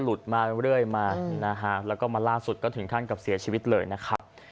มาเรื่อยมานะฮะแล้วก็มาล่าสุดก็ถึงขั้นกับเสียชีวิตเลยนะครับ